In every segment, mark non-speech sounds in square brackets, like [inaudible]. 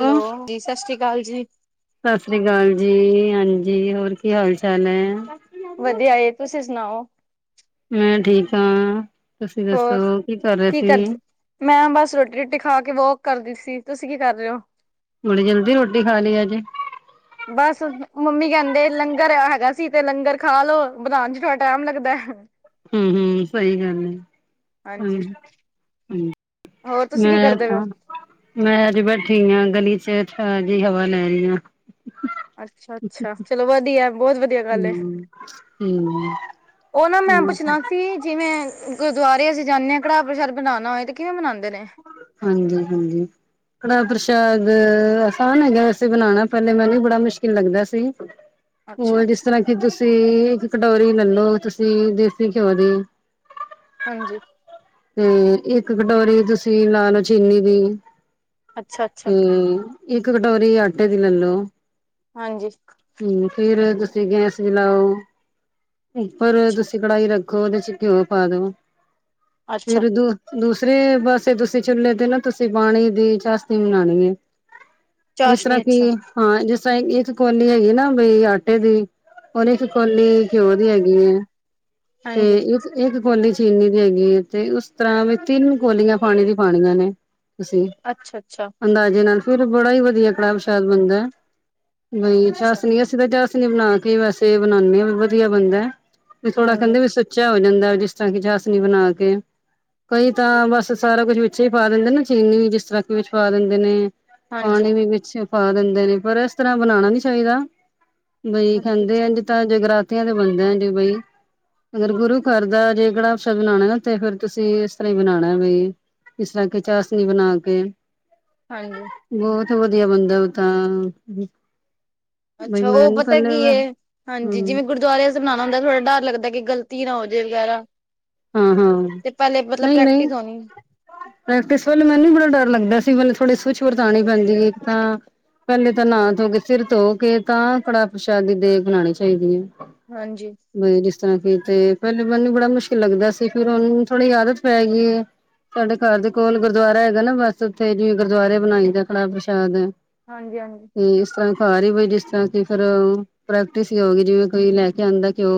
Hello ਜੀ ਸ਼੍ਰੀ ਅਕਾਲ ਜੀ। ਸਤਿ ਸ੍ਰੀ ਅਕਾਲ ਜੀ। ਹਾਂਜੀ, ਹੋਰ ਕੀ ਹਾਲ- ਚਾਲ ਹੈ। ਵਧੀਆ ਏ, ਤੁਸੀਂ ਸੁਣਾਓ? ਮੈਂ ਠੀਕ ਹਾਂ । ਹੋਰ ਕੀ ਕਰਦੀ, ਮੈਂ ਬਸ ਰੋਟੀ -ਰੂਟੀ ਖਾ ਕੇ ਵੋਕ ਕਰਦੀ ਸੀ। ਤੁਸੀਂ ਕੀ ਕਰ ਰਹੇ ਹੋ? ਬੜੀ ਜਲਦੀ ਰੋਟੀ ਖਾ ਲਈ ਅੱਜ, ਬਸ ਮੰਮੀ ਕਹਿੰਦੇ ਤੇ ਲੰਗਰ ਹੈਗਾ ਸੀ, ਤੇ ਲੰਗਰ ਖਾ ਲੋ ਬਣਾਉਣ ਚ ਥੋੜਾ ਟਾਈਮ ਲੱਗਦਾ ਹੁਂ-ਹੁਂ ਸਹੀ ਗੱਲ ਹੈ। ਹਾਂਜੀ ਹਾਂਜੀ-ਹਾਂਜ ਹੋਰ ਤੁਸੀਂ ਕੀ ਮੈਂ ਕਰਦੇ ਹੋ ਤਾਂ, ਮੈਂ ਅਜੇ ਬੈਠੀ ਆਾਂ ਗਲੀ ਚ। ਤੇ ਤਾਜ਼ੀ ਹਵਾ ਲੈ ਰਹੀ ਹਾਂ ਅੱਛਾ-ਅੱਛਾ ਚਲੋ ਵਧੀਆ। ਬਹੁਤ ਵਧੀਆ ਗੱਲ ਏ, ਹੂੰ ਹੂੰ, ਉਹ ਨਾ ਮੈ ਪੁੱਛਣਾ ਸੀ ਜਿਵੇਂ ਗੁਰਦੁਆਰੇ ਅਸੀਂ ਜਾਂਦੇ ਹਾਂ, ਕੜਾਹ ਪ੍ਰਸ਼ਾਦ ਬਨਾਉਣਾ ਹੋਏ ਤੇ ਕਿਵੇਂ ਬਣਾਉਂਦੇ? ਨੇ? ਹਾਂਜੀ -ਹਾਂਜੀ, ਕੜਾਹ ਪ੍ਰਸ਼ਾਦ ਆਸਾਨ ਹੈਗਾ ਵੈਸੇ ਬਣਾਉਣਾ, ਪਹਿਲੇ ਮੈਨੂੰ ਵੀ ਬੜਾ ਮੁਸ਼ਕਿਲ ਲੱਗਦਾ ਸੀ। ਅੱਛਾ ਉਹ ਜਿਸ ਤਰਾ ਕਿ ਤੁਸੀਂ ਕਟੋਰੀ ਲੈਲੋ ਤੁਸੀਂ ਦੇਸੀ ਘਿਉ ਦੀ ਹਾਂਜੀ। ਤੇ ਇੱਕ ਕਟੋਰੀ ਤੁਸੀਂ ਲਾ ਲਓ ਚੀਨੀ ਦੀ ਅੱਛਾ-ਅੱਛਾ। ਤੇ ਇੱਕ ਕਟੋਰੀ, ਆਟੇ ਦੀ ਲੈ ਲਉ। ਹਾਂਜੀ। ਹਮ ਫੇਰ ਤੁਸੀਂ ਗੈਸ ਵੀ ਲਓ ਉੱਪਰ ਅੱਛਾ ਤੁਸੀਂ ਕੜਾਹੀ ਰੱਖ ਉਹਦੇ ਚ ਘਿਓ ਪਾ ਦੋ, ਅੱਛਾ ਫਿਰ ਦੋ ਸ ਰੇ ਪਾਸੇ ਤੁਸੀਂ ਚੁੱਲ੍ਹੇ ਤੇ ਨਾ ਤੁਸੀਂ, ਪਾਣੀ ਦੀ ਚਾਸ਼ਣੀ ਬਨਾਉਣੀ ਹੈ। ਜਿਸ ਤਰ੍ਹਾਂ ਚਾਸ਼ਨੀ ਕਿ ਅੱਛਾ ਹਾਂ, ਜਿਸ ਤਰ੍ਹਾਂ ਇੱਕ ਕੋ ਨੀ ਹੈਗੀ ਨਾ ਬਈ ਆਟੇ ਦੀ, ਕੋਲੀ ਘਿਓ ਦੀ ਹੈਗੀ ਹੈ ਤੇ ਹਾਂਜੀ ਇਸ ਇਗ ਕੋਲੀ ਚੀਨੀ ਦੀ ਹੈਗੀ ਹੈ ਤੇ ਉਸ ਤਰ੍ਹਾਂ ਵੀ ਤਿੰਨ ਕੋਲੀਆਂ ਪਾਣੀ ਦੀ ਪਾਣੀਆਂ ਨੇ। ਤੁਸੀਂ ਅੱਛਾ ਅੱਛਾ। ਅੰਦਾਜ਼ੇ ਨਾਲ ਫਿਰ ਬੜਾ ਹੀ ਵਧੀਆ ਕੜਾਹ ਪ੍ਰਸ਼ਾਦ ਬਣਦਾ ਏ। ਬਈ ਅੱਛਾ ਚਾ‌‌‍‍‌‍‌‌‍ਸ਼ਨੀ ਅਸੀਂ ਤਾਂ ਚਾਸ਼ਨੀ ਬਣਾ ਕੇ ਵੈਸੇ ਬਣਾਉਾਨਦੇ ਹਾਂ, ਵੀ ਵਧੀਆ ਬਣਦਾ ਵੀ ਥੋੜਾ ਹਾਂਜੀ ਕਹਿੰਦੇ ਵੀ ਸੁੱਚਾ ਹੋ ਜਾਂਦਾ ਜਿਸ ਤਰ੍ਹਾਂ ਕਿ ਚਾਸ਼ਨੀ ਬਣਾ ਕੇ। ਕਈ ਤਾਂ ਬਸ ਸਾਰਾ ਕੁਛ ਵਿੱਚ ਹੀ ਪਾ ਦਿੰਦੇ ਨਾ ਚੀਨੀ ਜਿਸ ਤਰਾਂਕੇ ਵਿੱਚ ਪਾ ਦਿੰਦੇ ਨੇ। ਹਾਂਜੀ ਪਾਣੀ ਵੀ ਵਿੱਚ ਪਾ ਦਿੰਦੇ ਨੇ ਪਰ ਇਸ ਤਰਾਂ ਬਣਾਉਣਾ ਨੀ ਚਾਹੀਦਾ। ਬਈ ਅੱਛਾ ਖਾਂਦੇ ਅੱਛਾ ਐਂਜ ਤਾਂ ਜਗਰਾਤੀਆਂ ਤੇ ਬਣਦਾ ਐਂਜ ਬਈ। ਅਗਰ ਗੁਰੂ ਘਰ ਦਾ ਜੇ ਕੜਾਹ ਪ੍ਰਸ਼ਾਦਿ ਬਣਾਉਣਾ ਨਾ ਤੇ ਫੇਰ ਤੁਸੀਂ ਇਸ ਤਰ੍ਹਾਂ ਹੀ ਬਣਾਉਣਾ ਬਈ। ਇਸ ਤਰਾਂ ਕਿ ਚਾਸਨੀ ਬਣਾ ਕੇ। ਹਾਂਜੀ। ਬਹੁਤ ਵਧੀਆ ਬੰਦਾ ਉਹ ਤਾਂ। ਬਈ ਅੱਛਾ ਉਹ ਮੈਨ ਪਤਾ ਪਹਿਲੇ ਕੀ ਹੈ, ਹਾਂਜੀ, ਹਮ ਜਿਵੇਂ ਗੁਰਦੁਆਰੇ ਬਣਾਉਣਾ ਹੁੰਦਾ ਥੋੜਾ ਡਰ ਲੱਗਦਾ ਕਿ ਗਲਤੀ ਨਾ ਹੋ ਜਾਏ ਵਗੈਰਾ। ਹਾਂ-ਹਾਂ, ਤੇ ਪਹਿਲੇ ਮਤਲਬ ਨਹੀਂ-ਨਹੀਂ, ਪ੍ਰੈਕਟਿਸ ਹੋਣੀ ਪ੍ਰੈਕਟਿਸ ਵਾਲੇ ਮੈਨੂੰ ਬੜਾ ਡਰ ਲੱਗਦਾ ਸੀ ਮਤਲਬ ਥੋੜੇ ਸੁਚ ਵਰਤਾਉਣੀ ਪੈਂਦੀ ਹੈ ਇੱਕ ਤਾਂ ਪਹਿਲੇ ਤਾਂ ਨਾ ਧੋ ਕੇ, ਸਿਰ ਧੋ ਕੇ ਤਾਂ ਕੜਾਹ ਪ੍ਰਸ਼ਾਦ ਦੀ ਦੇਗ ਲਉਣੀ ਚਾਹੀਦੀ ਹੈ। ਹਾਂਜੀ। ਲ ਕੀ ਤੇ ਪਹਿਲੇ ਮੈਨੂੰ ਬੜਾ ਮੁਸ਼ਕਿਲ ਲੱਗਦਾ ਸੀ ਫੇਰ ਉਹਨੂੰ ਥੋੜੀ ਆਦਤ ਪੈ ਗਈ ਏ। ਸਾਡੇ ਘਰ ਦੇ ਕੋਲ ਗੁਰਦੁਆਰਾ ਹੈਗਾ ਨਾ ਬਸ ਉੱਥੇ ਜਿਵੇਂ ਗੁਰਦੁਆਰੇ ਬਣਾਈ ਜਾ ਖੜਾ ਪ੍ਰਸ਼ਾਦ ਹਾਂਜੀ-ਹਾਂਜੀ। ਤੇ ਇਸ ਤਰ੍ਹਾਂ ਘਰ ਹੀ ਬਈ ਜਿਸ ਤਰ੍ਹਾਂ ਕਿ ਫੇਰ ਪ੍ਰੈਕਟਿਸ ਹੀ ਹੋਗੀ ਜਿਵੇਂ ਕੋਈ ਲੈ ਕੇ ਆਉਂਦਾ ਕਿ ਘਿਓ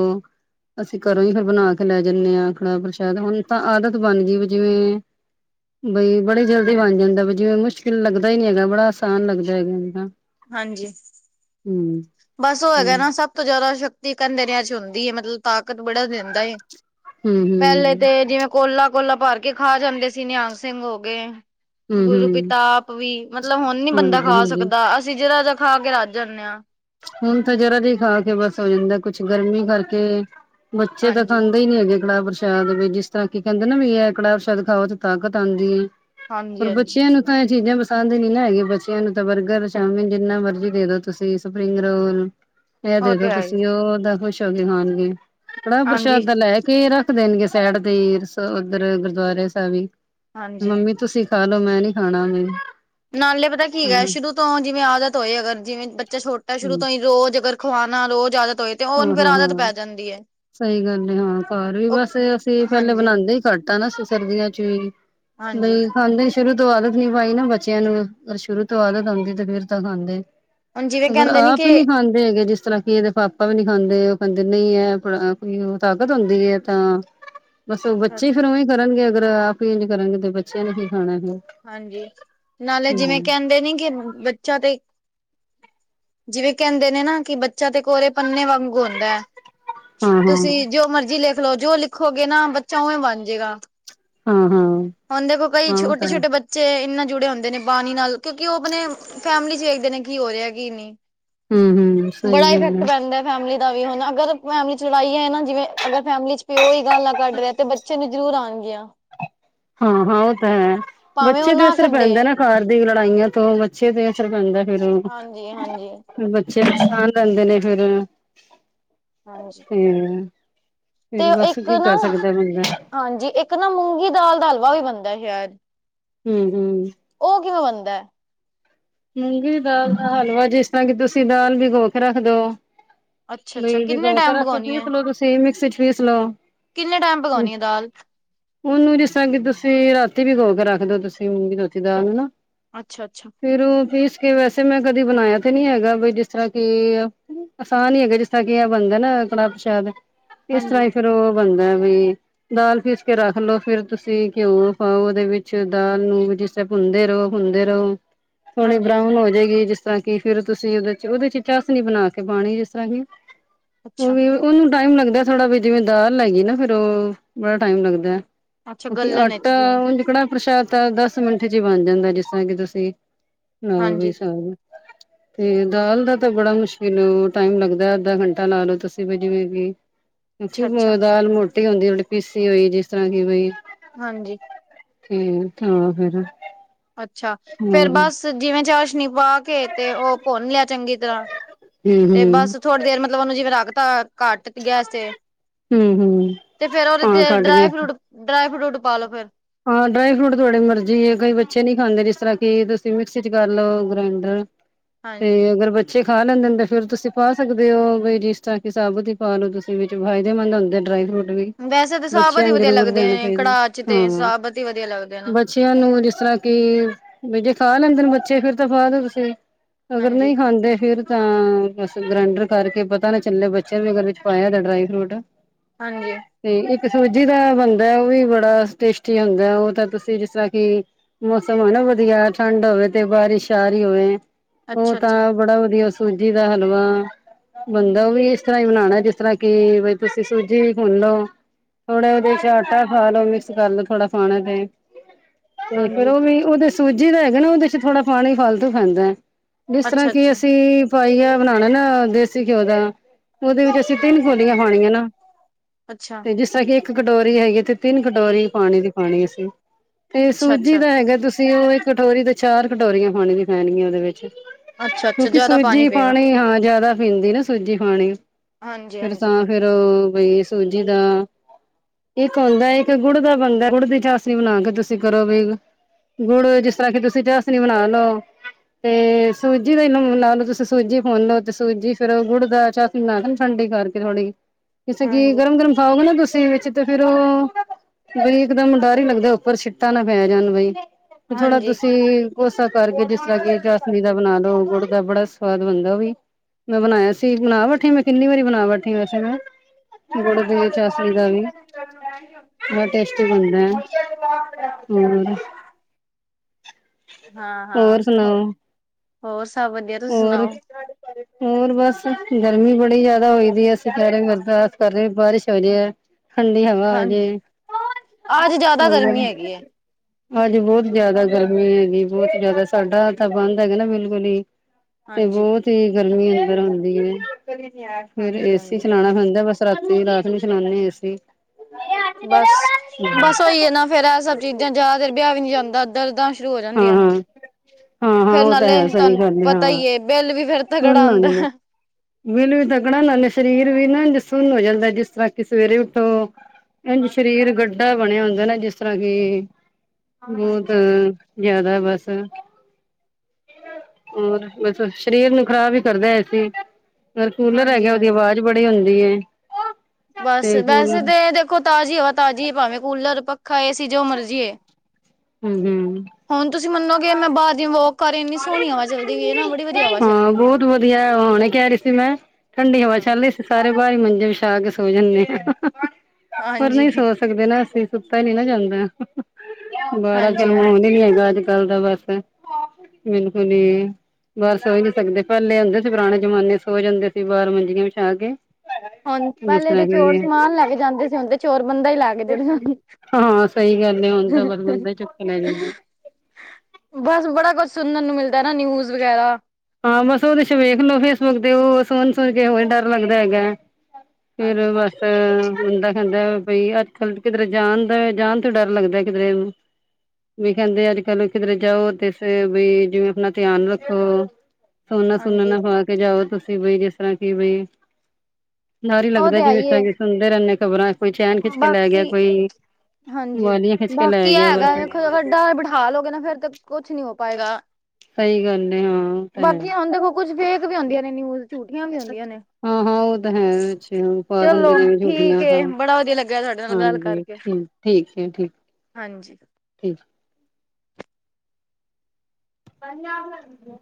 ਅਸੀਂ ਘਰੋਂ ਹੀ ਫਿਰ ਬਣਾ ਕੇ ਲੈ ਜਾਂਦੇ ਹਾਂ ਕਡਾਹ ਪ੍ਰਸ਼ਾਇਦ ਹੁਣ ਤਾਂ ਆਦਤ ਬਣ ਜਈ ਵੀ ਜਿਵੇਂ ਬਈ ਬੜੀ ਜਲਦੀ ਬਣ ਜਾਂਦਾ ਬ ਜਿਵੇਂ ਮੁਸ਼ਕਿਲ ਲੱਗਦਾ ਹੀ ਨੀ ਹੈਗਾ, ਬੜਾ ਆਸਾਨ ਲੱਗਦਾ ਹੈਗਾ ਹੁਣ ਤਾਂ। ਹਾਂਜੀ। ਬਸ ਉਹ ਹੈਗਾ ਹੂੰ ਨਾ ਸਭ ਤੋਂ ਜ਼ਿਆਦਾ ਸ਼ਕਤੀ ਕੈਧਨੇ ਐਚ ਹੁੰਦੀ ਹੈ ਮਤਲਬ ਤਾਕਤ ਬੜਾ ਦਿੰਦਾ ਏ। ਹੂੰ ਪਹਿਲੇ ਹੂੰ ਤੇ ਜਿਵੇਂ ਕੋਲਾ-ਕੋਲਾ ਭਰ ਕੇ ਖਾ ਜਾਂਦੇ ਸੀ ਨਿਹੰਗ ਸਿੰਘ ਹੋ ਗਏ ਹੂੰ ਗੁਰੂ ਹੂੰ ਪਿਤਾਪ ਵੀ, ਮਤਲਬ ਹੁਣ ਨੀ ਬੰਦਾ ਹਾਂਜੀ ਖਾ ਹਾਂਜੀ ਸਕਦਾ ਅਸੀਂ ਜ਼ਰਾ ਜਾ ਖਾ ਕੇ ਰੱਜ ਜਾਂਦੇ ਆਂ। ਹੁਣ ਤਾਂ ਜ਼ਰਾ ਨਹੀਂ ਖਾ ਕੇ ਬਸ ਹੋ ਜਾਂਦਾ ਏ, ਕੁਛ ਗਰਮੀ ਕਰਕੇ ਬੱਚੇ ਤਾਂ ਹਾਂਜੀ ਖਾਂਦੇ ਹੀ ਨੀ ਹੈਗੇ ਕੜਾਰ ਪ੍ਰਸ਼ਾਦ। ਸ਼ਾਇਦ ਵੀ ਜਿਸ ਤਰ੍ਹਾਂ ਕੀ ਕਹਿੰਦੇ ਨਾ ਵੀ ਇਹ ਕੜਾਸ਼ਾਦ ਖਾਓ ਤਾਂ ਤਾਕਤ ਆਉਂਦੀ ਹੈ। ਹਾਂਜੀ ਹੋਰ ਹਾਂਜੀ ਬੱਚਿਆਂ ਨੂੰ ਤਾਂ ਇਹ ਚੀਜ਼ਾਂ ਬ ਪਸੰਦ ਨੀ ਨਾ ਹੈਗੇ ਬੱਚਿਆਂ ਨੂੰ ਤਾਂ ਬਰਗਰ ਚਾਮੀਨ ਜਿੰਨਾ ਮਰਜ਼ੀ ਦੇ ਦੋ ਤੁਸੀਂ ਸਪਰਿੰਗ ਰੋਲ ਇਹ ਉਹ ਤੇ ਦੇਦੋ ਹੈ ਹੀ, ਤੁਸੀਂ ਉਹਦਾਂ ਖੁਸ਼ ਹੋਗੇ ਖਾਣਗੇ। ਕੜਾਹ ਹਾਂਜੀ ਪ੍ਰਸ਼ਾਦਾ ਲੈ ਕੇ ਰੱਖ ਦੇਣਗੇ ਸਹਿਡ ਤੇ ਉਧਰ ਗੁਰਦੁਆਰੇ ਸਾਹਿਬ ਵੀ ਹਾਂਜੀ ਮੰਮੀ ਤੁਸੀਂ ਖਾ ਲੋ ਮੈਂ ਨੀ ਖਾਣਾਵੇ। ਨਾਲੇ ਪਤਾ ਕੀ ਹੈਗਾ ਸ਼ੁਰੂ ਤੋਂ ਜਿਵੇਂ ਆਦਤ ਹੋਏ ਅਗਰ ਜਿਵੇਂ ਬੱਚਾ ਛੋਟਾ ਸ਼ੁਰੂ ਤੋਂ ਹੀ ਰੋਜ਼ ਅਗਰ ਖੁਵਾਣਾ ਰੋਜ਼ ਆਦਤ ਹੋਏ ਤੇ ਉਹੂੰ ਹਾਂ ਫੇਰ ਹਾਂ ਆਦਤ ਹਾਂ। ਪੈ ਜਾਂਦੀ ਏ। ਸਹੀ ਗੱਲ ਏ ਹਾਂ, ਘਰ ਵੀ ਬਸ ਅਸੀਂ ਪਹਿਲੇ ਹਾਂਜੀ ਬਣਾਉਦੇ ਹੀ ਘਟ ਨਾ ਸ ਸਰਦੀਆਂ ਚ ਵੀ, ਹਾਂਜੀ ਬਈ ਖਾਂਦੇ ਸ਼ੁਰੂ ਤੋਂ ਆਦਤ ਨੀ ਪਾਈ ਨਾ ਬੱਚਿਆਂ ਨੂੰ ਅਰ ਸ਼ੁਰੂ ਤੋਂ ਆਦਤ ਆਉਂਦੀ ਤੇ ਫੇਰ ਤਾਂ ਖਾਂਦੇ। ਹੁਣ ਜਿਵੇਂ ਅਗਰ ਕਹਿੰਦੇ ਨੀ ਆਪ ਕਿ ਹੀ ਨਹੀਂ ਖਾਂਦੇ ਹੈਗੇ ਜਿਸ ਤਰ੍ਹਾਂ ਕਿ ਇਹਦੇ ਪਾਪ ਆਪਾ ਵੀ ਨਹੀਂ ਖਾਂਦੇ ਉਹ ਖਾਂਦੇ ਨਹੀਂ ਹੈ ਕੋਈ ਉਹ ਤਾਕਤ ਹੁੰਦੀ ਹੈ ਤਾਂ ਬਸ ਉਹ ਬੱਚੇ ਹੀ ਫੇਰ ਉ ਹੀ ਕਰਨਗੇ ਅਗਰ ਆਪ ਹੀ ਇੰਜ ਕਰਨਗੇ ਤਾਂ ਬੱਚਿਆਂ ਨੂੰ ਹੀ ਹਾਂਜੀ, ਨਾਲੇ ਜਿਵੇਂ ਹਮ ਕਹਿੰਦੇ ਨੀ ਕਿ ਬਚ੍ ਬੱਚਾ ਤੇ, ਜਿਵੇਂ ਕਹਿੰਦੇ ਨੇ ਨਾ ਕਿ ਬੱਚ ਬੱਚਾ ਤੇ ਕੋਰੇ ਪੰਨੇ ਵਾਂਗੂ ਹੁੰਦਾ ਹੈ ਹਾਂ ਹਾਂ ਤੁਸੀਂ ਜੋ ਮਰਜੀ ਲੈਖ ਖਲੋ ਜੋ ਲਿਖੋਗੇ ਨਾ ਬੱਚਾ ਉਵੇਂ ਬਣ ਜੇਗਾ। ਹਾਂ ਹਾਂ। ਹਾਂ ਹੁਣ ਦੇਖੋ ਕਈ ਉਹ ਛੋਟੇ ਤਾਂ ਛੋਟੇ ਬੱਚੇ ਇਨਾ ਜੁੜੇ ਹੁੰਦੇ ਨੇ ਬਾਣੀ ਨਾਲ ਕਿਉਂਕਿ ਉਹ ਆਪਣੇ ਫੈਮਿਲੀ ਚਾਹੀਦੇ ਕੀ ਹੋ ਰਿਹਾ ਕੀ ਨਹੀਂ। ਹਮ ਹਮ ਸਹੀ ਬੜਾ ਗੱਲ ਇਫੈਕਟ ਹੈ ਪੈਂਦਾ ਫੈਮਲੀ ਦਾ ਵੀ ਹੁਣ ਅਗਰ ਫੈਮਲੀ ਚੜਾਈ ਹੈ ਨਾ ਜਿਵੇਂ ਅਗਰ ਫੈਮਲੀ ਚ ਪਿਓ ਹੀ ਗਾਲ ਕੱਢ ਰਿਹਾ ਤੇ ਬੱਚੇ ਨੂੰ ਜਰੂਰ ਆਉਣਗੀਆਂ। ਹਾਂ ਹਾਂ ਉਹ ਤਾਂ ਹੈ ਭਾਵੇਂ ਉਹ ਬੱਚੇ ਤੇ ਨਾ ਅਸਰ ਕੱਢੇ ਪੈਂਦਾ ਨਾ ਘਰ ਦੀ ਲੜਾਈਆਂ ਤੋਂ ਬੱਚੇ ਤੇ ਪਥਰ ਪੈਂਦਾ ਹਾਂਜੀ ਹਾਂਜੀ ਫਿਰ ਬੱਚੇ ਨੂੰਾਨ ਰੈਂਦੇ ਨੇ ਫਿਰ ਹਾਂਜੀ ਹਮ। ਤੇ ਇੱਕ ਨਾ ਹਾਂਜੀ ਇੱਕ ਨਾ ਮੂੰਗੀ ਦਾਲ ਦਾਲ ਹਲਵਾ ਵੀ ਬਣਦਾ ਸ਼ਾਇਦ। ਹਮ। ਹਮ ਉਹ ਕਿਵੇਂ ਬਣਦਾ? ਮੂੰਗੀ ਦਾਲ ਦਾ ਹਲਵਾ ਜਿਸ ਤਰ੍ਹਾਂ ਕਿ ਤੁਸੀਂ ਦਾਲ ਵੀ ਖੋ ਕੇ ਰੱਖ ਦਿਓ ਅੱਛਾ ਅੱਛਾ ਨਹੀਂ ਵੀ ਕਿੰਨੇ ਗੋ ਕੇ ਟਾਈਮ ਰੱਖ ਕੇ ਪਕਾਉਣੀ ਹੈ ਪੀਸ ਲੋੋ ਤੁਸੀਂ ਮਿਕਸੀ ਚ ਪੀਸ ਲੋਓ ਕਿੰਨੇ ਟਾਈਮ ਪਕਾਉਣੀ ਆ ਦਾਲ ਉਹਨੂੰ ਜਿਸ ਤਰ੍ਹਾਂ ਕਿ ਤੁਸੀਂ ਰਾਤੀ ਵੀ ਗੋ ਕੇ ਰੱਖ ਦਿ ਤੁਸੀਂ ਰਾਤੀ ਦਾਲ ਨਾ ਅੱਛਾ ਅੱਛਾ ਫਿਰ ਉਹ ਪੀਸ ਕੇ ਵੈਸੇ ਮੈਂ ਕਦੀ ਬਣਾਇਆ ਤੇ ਨੀ ਹੈਗਾ ਬਈ ਜਿਸ ਤਰ੍ਹਾਂ ਕੀ ਆਸਾਨ ਹੀ ਹੈਗਾ ਜਿਸ ਤਰ੍ਹਾਂ ਕਿ ਆ ਬਣਦਾ ਨਾ ਕੜਾਹ ਪ੍ਰਸ਼ਾਦ ਇਸ ਤਰ੍ਹਾਂ ਹਾਂਜੀ ਹੀ ਫਿਰ ਉਹ ਬਣਦਾ ਵੀ ਦਾਲ ਪੀਸ ਕੇ ਰੱਖ ਲੋਓ ਫਰ ਤੁਸੀਂ ਘਿਓ ਪਾਓ ਉਹਦੇ ਵਿੱਚ ਦਾਲ ਨੂੰ ਜਿਸੇ ਭੁੰਦੇ ਰਹੋ ਹੁੰਦੇ ਰਹੋ ਥੋੜੀ ਹਾਂਜੀ ਬਰਾਊਨ ਹੋ ਜਾਏਗੀ ਜਿਸ ਜਿਸ ਤਰ੍ਹਾਂ ਕਿ ਫਿਰ ਤੁਸੀਂ ਉਹਦੇ ਚ ਉਹਦੇ ਚਾਸਨੀ ਬਣਾ ਕੇ ਪਾਉਣੀ ਜਿਸ ਤਰ੍ਹਾਂ ਕਿ ਉਹ ਅੱਛਾ ਵੀ ਉਹਨੂੰ ਟਾਈਮ ਲੱਗਦਾ ਥੋੜਾ ਵੀ ਜਿਵੇਂ ਦਾਲ ਲੈ ਗਈ ਨਾ ਫਿਰ ਉਹ ਬੜਾ ਟਾਈਮ ਲੱਗਦਾ ਅੱਛਾ ਕਿਉਂਕਿ ਗੱਲਣ ਵਿੱਚ ਆਟਾ ਜਿਵੇਂ ਕੜਾ ਪ੍ਰਸ਼ਾਦ ਤਾਂ ਦਸ ਮਿੰਟ ਚ ਬਣ ਜਾਂਦਾ ਜਿਸ ਤਰ੍ਹਾਂ ਕਿ ਤੁਸੀਂ ਲਓ ਵੀ ਹਾਂਜੀ ਸ [inaudible] ਤੇ ਦਾਲ ਦਾ ਤਾਂ ਬੜਾ ਮੁਸ਼ਕਿਲ ਟਾਈਮ ਲੱਗਦਾ ਅੱਧਾ ਘੰਟਾ ਲਾ ਲੋ ਤੁਸੀਂ ਵੀ ਜਵੇਂ ਕਿ ਅੱਛਾ ਅੱਛਾ ਕਿਉਂਕਿ ਦਾਲ ਮੋਟੀ ਹੁੰਦੀ ਪੀਸੀ ਹੋਈ ਜਿਸ ਤਰ੍ਹਾਂ ਕਿ ਬਈ ਹਾਂਜੀ ਠੀਕ ਠਾਕ ਹੈਨਾ ਅੱਛਾ ਫਿਰ ਬਸ ਜਿਵੇਂ ਚਾਸ਼ਨੀ ਪਾ ਕੇ ਤੇ ਉਹ ਭੁੰਨ ਲਿਆ ਚੰਗੀ ਤਰ੍ਹਾਂ ਤੇ ਬਸ ਥੋੜੀ ਦੇਰ ਮਤਲਬ ਉਹਨੂੰ ਜਿਵੇਨਗਤਾ ਘੱਟ ਗਿਆਸ ਹੂੰ ਹੂੰ ਤੇ ਫੇਰ ਉਹਦੇ ਹਾਂ ਤੇ ਕੱਢ ਡਰਾਈ ਗਏ ਫਰੂਟ ਡਰਾਈ ਫਰੂਟ ਪਾ ਲੋ ਫੇਿਰ ਹਾਂ ਡਰਾਈ ਫਰੂਟ ਤੁਹਾਡੇ ਮਰਜ਼ੀ ਹੈ ਕਈ ਬੱਚੇ ਨਹੀਂੀ ਖਾਂਦੇ ਜਿਸ ਤਰ੍ਹਾਂ ਕਿ ਤੁਸੀਂ ਮਿਕਸੀ ਚ ਕਰ ਲਓ ਗ੍ਰੈਂਡਰ ਹਾਂਜੀ ਤੇ ਅਗਰ ਬੱਚੇ ਖਾ ਲੈਂਦੇ ਹ ਤਾਂ ਫਿਰ ਤੁਸੀਂ ਪਾ ਸਕਦੇ ਹੋ ਵੀਈ ਜਿਸ ਤਰ੍ਹਾਂ ਕਿ ਸਾਬਤ ਹੀ ਪਾ ਲਓ ਤੁਸੀਂ ਵਿੱਚ ਫਾਇਦੇ ਮੰਦ ਹੁੰਦੇ ਡਰਾਈ ਫਰੂਟ ਵੀ ਵੈਸੇ ਤਾਂ ਸਾਬਤ ਬੱਚਿਆਂ ਹੀ ਨੂੰ ਵਧੀਆ ਜਰੂਰ ਲੱਗਦੇ ਦੇਣਾ ਨੇ ਚਾਹੀਦਾ ਕੜਾਹ ਚ ਤੇ ਹਾਂ ਸਾਬਤ ਹੀ ਵਧੀਆ ਲੱਗਦੇ ਨੇ ਬੱਚਿਆਂ ਨੂੰ ਜਿਸ ਤਰ੍ਹਾਂ ਕਿ ਬਈ ਜੇ ਖਾ ਲੈਂਦੇ ਨੇ ਬੱਚੇ ਫਿਰ ਤਾਂ ਖਾ ਦੇ ਅਗਰ ਹਾਂਜੀ ਨਹੀਂ ਖਾਂਦੇ ਫਿਰ ਤਾਂ ਬਸ ਗ੍ਰੈਂਡਰ ਕਰਕੇ ਪਤਾ ਨਾ ਚੱਲਿਆ ਬੱਚਿਆਂ ਵੀ ਅਗਰ ਵਿੱਚ ਪਾਇਆ ਡਰਾਈ ਫਰੂਟ ਹਾਂਜੀ ਤੇ ਇੱਕ ਸੂਜੀ ਦਾ ਬਣਦਾ ਉਹ ਵੀ ਬੜਾ ਟੇਸਟੀ ੰਗ ਉਹ ਤਾਂ ਤੁਸੀਂ ਜਿਸ ਤਰ੍ਹਾਂ ਕਿ ਮੌਸਮ ਹੈ ਨਾ ਵਧੀਆ ਠੰਡ ਹੋਵੇ ਤੇ ਬਾਰਿਸ਼ ਆ ਰਹੀ ਹੋਵੇ ਉਹ ਅੱਛਾ ਅੱਛਾ ਤਾਂ ਬੜਾ ਵਧੀਆ ਸੂਜੀ ਦਾ ਹਲਵਾ ਬੰਦਾ ਉਹ ਵੀ ਇਸ ਤਰ੍ਹਾਂ ਹੀ ਬਨਾਉਣਾ ਜਿਸ ਤਰ੍ਹਾਂ ਕਿ ਬਈ ਤੁਸੀਂ ਸੂਜੀ ਵੀ ਪੁੰਨ ਲਓ ਥੋੜਾ ਚ ਆਟਾ ਪਾ ਲਓ ਮਿਕਸ ਕਰ ਲਓ ਥੋੜਾ ਪਾਣਾ ਟਾਈਮ ਤੇ ਫਿਰ ਹਾਂਜੀ ਉਹ ਵੀ ਉਹਦੇ ਸੂਜੀ ਦਾ ਹੈਗਾ ਨਾ ਉਹਦੇ ਚ ਥੋੜਾ ਪਾਣੀ ਫਲਤੂ ਫੈਂਦਾ ਜਿਸ ਤਰ੍ਹਾਂ ਅੱਛਾ ਕਿ ਅੱਛਾ ਅਸੀਂ ਪਾਈਆ ਬਣਾਉਣਾ ਨਾ ਦੇਸੀ ਘਿਓ ਦਾ ਉਹਦੇ ਵਿੱਚ ਅਸੀਂ ਤਿੰਨ ਗੋਲੀਆਂ ਪਾਣੀਆਂ ਨਾ ਅੱਛਾ ਤੇ ਜਿਸ ਤਰ੍ਹਾਂ ਕਿ ਇੱਕ ਕਟੋਰੀ ਹੈਗੀ ਤੇ ਤਿੰਨ ਕਟੋਰੀ ਪਾਣੀ ਦੀ ਪਾਣੀ ਅਸੀਂ ਤੇ ਅੱਛਾ ਸੂਜੀ ਅੱਛਾ ਦਾ ਹੈਗਾ ਤੁਸੀਂ ਉਹ ਕਟੋਰੀ ਦੇ ਚਾਰ ਕਟੋਰੀਆਂ ਖਾਣੀ ਵੀ ਪੈਣਗੀਆਂ ਉਹਦੇ ਵਿੱਚ ਅੱਛਾ ਅੱਛਾ ਕਿਉਂਕਿ ਜਿਆਦਾ ਸੂਜੀ ਪਏਗਾ ਪਾਣੀ ਹਾਂ ਜਿਆਦਾ ਪੀਂਦੀ ਨਾ ਸੂਜੀ ਪਾਾਣੀ ਹਾਂਜੀ ਫਿਰ ਹਾਂਜੀ ਤਾਂ ਫੇਿਰ ਬਈ ਸੂਜੀ ਦਾ ਇੱਕ ਹੁੰਦਾ ਇੱਕ ਗੁੜ ਦਾ ਮੰਗਾ ਕੁੜ ਦੀ ਚਾਸਨੀ ਬਣਾ ਕੇ ਤੁਸੀਂ ਕਰੋ ਬੇ ਗੁੜ ਜਿਸ ਤਰ੍ਹਾਂ ਕਿ ਤੁਸੀਂ ਚਸਨੀ ਬਣਾ ਲਓ ਤੇ ਸੂਜੀ ਦਾ ਲ ਲਓ ਤੁਸੀਂ ਸੂਜੀ ਖਵਾ ਲ ਲੋ ਤੇ ਸੂਜੀ ਫੇਰ ਗੁੜ ਦਾ ਚਾਹ ਬ ਠੰਡ ਕਰਕੇ ਥੋੜੀ ਕਿਸੇ ਕਿ ਹਾਂਜੀ ਗਰਮ ਗਰਮ ਖਾਓਗੇ ਨਾ ਤੁਸੀ ਵਿੱਚ ਤੇ ਫੇਿਰ ਉਹ ਬਈ ਇੱਕਦਮ ਡਰਰੀ ਲੱਗਦਾ ਉੱਪਰ ਸਛਿੱਟਾ ਨਾ ਪੈ ਜਾਣ ਬਈ ਤੇ ਥੋੜਾ ਹਾਂਜੀ ਤੁਸੀਂ ਗਸਾ ਕਰਕੇ ਜਿਸ ਤਰ੍ਹਾਂ ਕਿ ਚਾਸ਼ਣੀ ਦਾ ਬਣਾ ਲਓ ਗੁੜ ਦਾ ਬੜਾ ਸਵਾਦ ਬਣਦਾ ਵੀ ਮੈਂ ਬਣਾਇਆ ਸੀ ਬਣਾ ਬੈਠੀ ਮੈਂ ਕਿੰਨੀ ਵਾਰੀ ਬਣਾ ਬੈਠੀ ਵੈਸੇ ਮ ਡਓ ਟੇਸਟ ਬ ਹਾਂ ਹਾਂ ਹੋ ਹੋਰ ਸਭ ਵਧੀਆ ਤੁਸੀਂ ਹੋਰ ਸੁਣਾਓ ਹੋਰ ਬਸ ਗਰਮੀ ਬੜੀ ਜ਼ਿਆਦਾ ਹੋਈਦੀ ਅਸੀਂ ਕਹਿ ਮ ਤਾਂਸ ਕਰ ਰਹੇ ਬਾਰਿਸ਼ ਹੋ ਜਾਹੀ ਹੈ ਠੰਡੀ ਹਵਾ ਵਜੇ ਹਾਂਜੀ ਅੱਜ ਜ਼ਿਆਦਾ ਹੋਰ ਗਰਮੀ ਹੈਗੀ ਹੈ। ਅੱਜ ਬਹੁਤ ਜਿਆਦਾ ਗਰਮੀ ਹੈ ਜੀ ਬਹੁਤ ਜਿਆਦਾ ਸਾਡਾ ਤਾਂ ਬੰਦ ਹੈਗਾ ਨਾ ਬਿਲਕੁਲ ਹੀ ਤੇ ਹਾਂਜੀ, ਬਹੁਤ ਹੀ ਗਰਮੀ ਅੰਦਰ ਹੁੰਦੀ ਹੈ ਫੇਰ ਹਾਂਜੀ, ਏਸੀ ਹਾਂਜੀ। ਚਲਾਣਾ ਹੈਂਦਾ ਬਸ ਰਾਤੀ ਰਾਤ ਨੂੰ ਸੁਨਾਾਨਦੇ ਹ ਅਸੀਂ ਬਸ ਬਸ ਉਈਏ ਨਾ ਫੇਰ ਇਹ ਸਭ ਚੀਜ਼ਾਂ ਜ਼ਿਆਦਾ ਦੇਰ ਵਿਆਹ ਵੀ ਨੀ ਜਾਂਦਾ ਇੱਧਰ ਦਾ ਸ਼ੁਰੂ ਹੋ ਹਾਂ ਜਾਂਦੀਆਂ ਨੇ ਹਾਂ ਹਾਂ ਹਾਂ ਫੇਿਰ ਉਹ ਤਾਂ ਨਾਲੇ ਹੈ ਸਹੀ ਤੁਹਾਨੂੰ ਗੱਲ ਪਤਾ ਹਾਂ ਹੀ ਹੈ ਬਿੱਲ ਵੀ ਫਿਰ ਤਕੜਾ ਆਉਂਦਾ ਬਿੱਿਲ ਵੀ ਤਗਣਾ ਨਾੇ ਸਰੀਰ ਵੀ ਨਾ ਜਸੁੰਨ ਹੋ ਜਾਂਦਾ ਜਿਸ ਤਰ੍ਹਾਂ ਕਿ ਸਵੇਰੇ ਉੱਠੋ ਇਹ ਸਰੀਰ ਗੱਡਾ ਬਣਿਆ ਹੁੰਦਾ ਨਾ ਜਿਸ ਤਰ੍ਹਾਂ ਕਿ ਬਹੁਤ ਹਾਂਜੀ, ਜਿਆਦਾ ਬਸ ਹੋਰ ਬਸ ਸਰੀਰ ਨੂੰ ਖ਼ਰਾਬ ਹੀ ਕਰਦਾ ਹੈ ਅਸੀ ਅ ਕੂਲਰ ਹਾਂਜੀ, ਹੈਗਾ ਉਹਦੀ ਹਾਂਜੀ। ਆਵਾਜ਼ ਬੜੀ ਹੁੰਦੀ ਏ ਬਸ ਤੇ ਹੁਣ ਵੈਸੇ ਤਾਂ ਦੇਖੋ ਤਾਜ਼ੀ ਆਾ ਤਾਜ਼ੀ ਭਾਵੇਂ ਕੂਲਰ ਪ ਖਾਏ ਸੀ ਜੋ ਮਰਜ਼ੀ ਹਮ ਹਮ ਹੁਣ ਤੁਸੀਂ ਮੰਨੋਗੇ ਮੈਂ ਬਾਹਰ ਦੀ ਵੋਕ ਕਰ ਇੰਨੀ ਸੋਹਣੀ ਹਵਾ ਚੱਲਦੀ ਪਈ ਏ ਨਾ ਬੜੀ ਵਧੀਆ ਹਵਾ ਹਾਂ ਚੱਲਦੀ ਏ। ਬਹੁਤ ਵਧੀਆ ਹਣੇ ਕ ਹੀ ਸੀ ਮੈਂ ਠੰਡੀ ਹਵਾ ਹੂੰ। ਚੱਲ ਰ ਸੀ ਸਾਰੇ ਬਾਹਾਰੀ ਮੰਜੇ ਵਿੱਚ ਸ਼ਾ ਕੇ ਸੋ ਜਾਂਦੇ ਹਾਂ ਪਰ ਹਾਂਜੀ, ਨਹੀਂ ਸੋ ਸਕਦੇ ਨਾ ਅਸੀਂ ਸੁੱਪਾ ਹੀ ਨੀ ਨਾ ਚਦਾ ਬਾਰਾ ਹਾਂਜੀ, ਚਲ ਹਾਂਜੀ। ਨ ਨੀ ਹੈਗਾ ਅੱਜ ਕੱਲ ਦਾ ਬਸ ਬਿਲਕੁਲ ਬਾਹਰ ਸੋਚ ਨਹੀਂੀ ਸਕਦੇ ਪਹਿਲੇ ਹੁੰਦੇ ਸੀ ਪੁਰਾਣੇ ਜਮਾਨੇ ਸੋ ਜਾਂਦੇ ਸੀ ਬਾਹਰ ਮੰਜੀਆਂ ਵਿਛਾ ਕੇ ਹੁਣ ਜਿਸ ਪਹਿਲੇ ਤੇ ਤਰ੍ਹਾਂ ਚੋਰ ਕਿ ਸਮਾਨ ਲੈ ਕੇ ਜਾਂਦੇ ਸੀ ਹੁੰਦੇ ਚੋਰ ਬੰਦਾ ਲਾ ਕੇ ਜਿਹੜੇ ਹ ਹਾਂ ਸਹੀ ਗੱਲ ਹੈ ਹੁਣ ਤਾਂ ਬਸ ਬੰਦਾ ਚੁੱਕ ਕੇ ਲੈ ਜਾਂਦਾ ਬਸ ਬੜਾ ਕੁਛ ਸੁਣਨ ਨੂੰ ਮਿਲਦਾ ਨਾ ਨਿਊਜ ਵਗੈਰਾ ਹਾਂ ਬਸ ਉਹਦੇਛ ਵੇਖ ਲੋ ਫੇਸਬੁੱਕ ਤੇ ਉਹ ਸੁਣ ਸੁਣ ਕੇ ਉ ਡਰ ਲੱਗਦਾ ਹੈਗਾ ਫੇਰ ਹਾਂਜੀ। ਬਸ ਹੁੰਦਾ ਖਹਦਾ ਬਈ ਅੱਜ ਕੱਲ ਕਿਧਰੇ ਜਾਣ ਦਾ ਜਾਣ ਤੋਂ ਡਰ ਲੱਗਦਾ ਕਿਧਰੇ ਵੀ ਕਹਿੰਦੇ ਅੱਜ ਕੱਲ ਕਿਧਰੇ ਜਾਓ ਤੇ ਬਈ ਜਿਵੇਂ ਆਪਣਾ ਧਿਆਨ ਰੱਖੋ ਸੋਨਾ ਸੋਨਾ ਹਾਂਜੀ ਨਾਲ ਖਾ ਕੇ ਜਾਓ ਤੁਸੀਂ ਬ ਜਿਸ ਤਰ੍ਹਾਂ ਕਿ ਬਈ ਨਾ ਹੀ ਉਹ ਲੱਗਦਾ ਤੇ ਜਿਵੇਂ ਤਾਂ ਆਈਏ ਸੁਣਦੇ ਰਹਿੰਦੇ ਹਾਂ ਖਬਰਾਂ ਕੋਈ ਚੈਨ ਖਿੱਚ ਕੇ ਲੈ ਗਿਆ ਬਾਕੀ ਕੋਈ ਹਾਂਜੀ ਵਾਲੀਆਂ ਖਿੱਚ ਕੇ ਲੈ ਬਾਕੀ ਗਿਆ ਬਸ ਹੈਗਾਖ ਅ ਡਰ ਬਿਠਾਲ ਲ ਹੋ ਗਏ ਨਾ ਫੇਿਰ ਤੇ ਕੁਛ ਨੀ ਹੋ ਪਏਗਾ ਸਹੀ ਗੱਲ ਹੈ ਹਾਂ ਉਹ ਤਾਂ ਹੈ ਦੇਖੋ ਕੁੱਝ ਫੇਕ ਵੀ ਹੁੰਂਦੀਆਂ ਨੇ ਨਿਊਜ਼ ਝੂਠੀਆਂ ਵੀ ਹੁੰਦੀਆਂ ਨੇ। ਹਾਂ ਹਾਂ ਉਹ ਤਾਂ ਹੈ ਅੱਛੇ ਉਤਪਾਦਨ ਦੇ ਚਲੋ ਠੀਕ ਲਈਡੀਆਂ ਏ ਬੜਾ ਵਧੀਆ ਲੱਗਿਆ ਤੁਹਾਡੇ ਨਾਲ ਗੱਲ ਹਾਂਜੀ ਕਰਕੇ ਠੀ ਠੀਕ ਹੈ ਠੀਕ ਹਾਂਜੀ ਠੀਕ ਪੰਜਾਬ ਲ